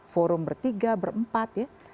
forum bertiga berempat ya